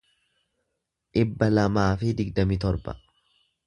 dhibba lamaa fi digdamii torba